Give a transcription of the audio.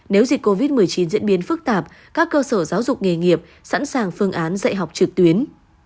nếu dịch covid một mươi chín diễn biến phức tạp các cơ sở giáo dục nghề nghiệp sẵn sàng phương án dạy học trực tuyến